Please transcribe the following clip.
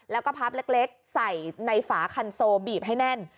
แล้วก็พับเล็กใส่ในฝาคันโซบีบให้แน่น